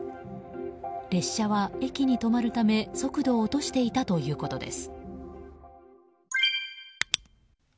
列車は駅に止まるため、速度を落としていたということです。